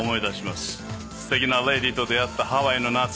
すてきなレディーと出会ったハワイの夏。